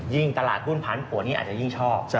ตลาดหุ้นผันผัวนี่อาจจะยิ่งชอบ